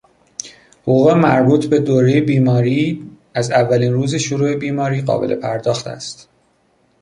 حقوق مربوط به دورهی بیماری از اولین روز شروع بیماری قابل پرداخت است.